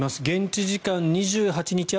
現地時間２８日